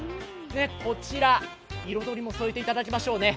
こちら、彩りも添えていただきましょうね。